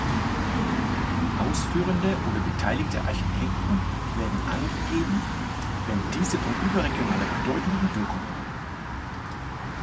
Ausführende oder beteiligte Architekten werden angegeben, wenn diese von überregionaler Bedeutung und Wirkung waren.